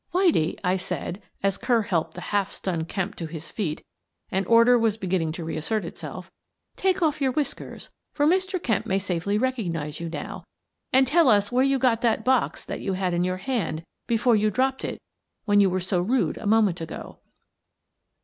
" Whitie," said I, as Kerr helped the half stunned Kemp to his feet and order was beginning to re assert itself, " take off your whiskers — for Mr. Kemp may safely recognize you now — and tell us where you got that box that you had in your hand before you dropped it when you were so rude a mo ment ago."